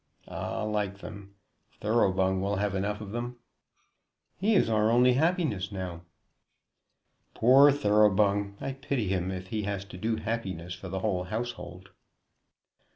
"Ah, like them! Thoroughbung will have enough of them." "He is our only happiness now." "Poor Thoroughbung! I pity him if he has to do happiness for the whole household."